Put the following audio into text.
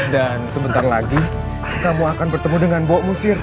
dan sebentar lagi kamu akan bertemu dengan bok musir